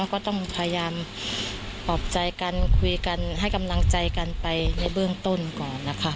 ก็ต้องพยายามปลอบใจกันคุยกันให้กำลังใจกันไปในเบื้องต้นก่อนนะคะ